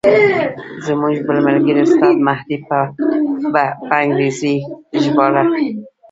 زموږ بل ملګري استاد مهدي به په انګریزي ژباړله.